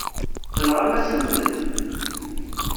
Tenɣam-asen-ten.